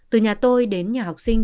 từ nhà tôi đến nhà học sinh